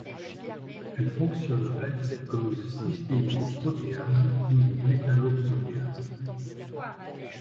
Elle fonctionnerait comme une cystéine protéase ou une métalloprotéase.